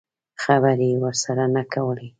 خبرې یې ورسره نه کولې.